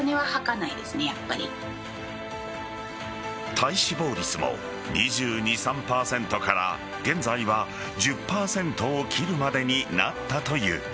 体脂肪率も２２２３％から現在は１０％を切るまでになったという。